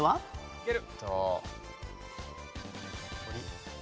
いける。